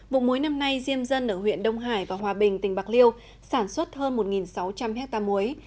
vụ muối năm nay diêm dân ở huyện đông hải và hòa bình tỉnh bạc liêu sản xuất hơn một sáu trăm linh hectare muối